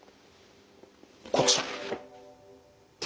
こちら。